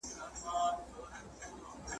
ته بچی د بد نصیبو د وطن یې ,